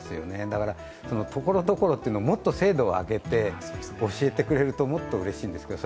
だから「ところどころ」っていうのをもっと精度を上げて、教えてくれるともっとうれしいんですけど。